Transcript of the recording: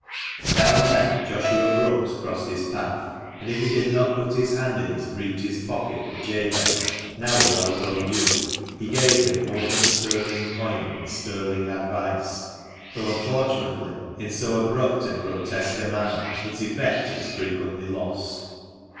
Now and then Joshua Brookes crossed his path, and if he did not put his hand in his breeches' pocket for Jabez — now a THE MANCHESTER MAN. 133 well grown youth — he gave him more than sterling coin in sterling advice, though, unfortunately, in so abrupt and grotesque a manner its effect was frequently lost.